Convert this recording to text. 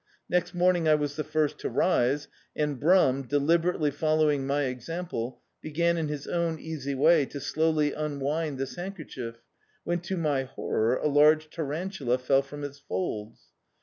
Next morning I was the first to rise, and Brum, deliberately following my example, began in his own easy way to slowly unwind this handker* chief, when to my horror a large tarantula fell from its folds.